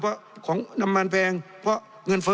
เพราะของน้ำมันแพงเพราะเงินเฟ้อ